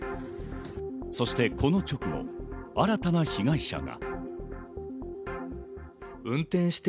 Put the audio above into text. そしてこの直後、新たな被害者が。